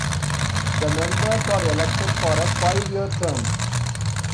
The members are elected for a five-year term.